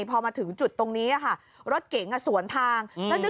พอมาถึงจุดตรงนี้อะค่ะรถเก่งน่ะสวนทางอยู่